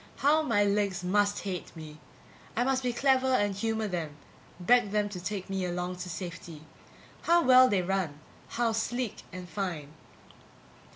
How my legs must hate me! I must be clever and humor them, beg them to take me along to safety. How well they run, how sleek and fine!